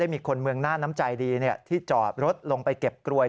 มีคนเมืองหน้าน้ำใจดีที่จอดรถลงไปเก็บกลวย